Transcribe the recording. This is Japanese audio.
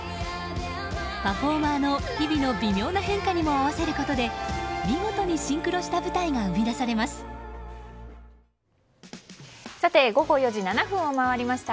パフォーマーの日々な微妙な変化にも合わせることで見事にシンクロした舞台が午後４時７分を回りました。